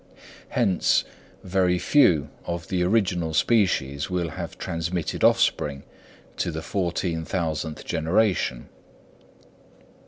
Hence very few of the original species will have transmitted offspring to the fourteen thousandth generation.